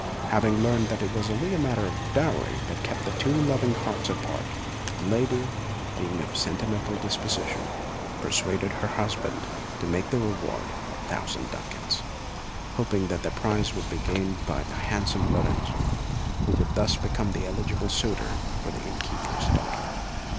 Having learnt that it was only a matter of dowry that kept these two loving hearts apart, the lady, being of a sentimental disposition, persuaded her husband to make the reward a thousand ducats, hoping that the prize would be gained by the handsome Lorenzo, who would thus become an eligible suitor for the inn keeper's daughter.